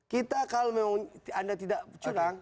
kita kalau memang anda tidak curang